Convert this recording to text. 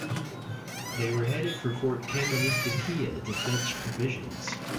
They were headed for Fort Kaministiquia to fetch provisions.